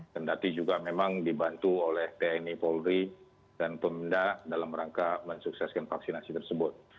dan tiga t juga memang dibantu oleh tni polri dan pemda dalam rangka mensukseskan vaksinasi tersebut